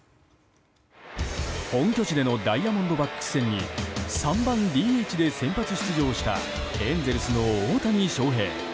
本拠地でのダイヤモンドバックス戦に３番ＤＨで先発出場したエンゼルスの大谷翔平。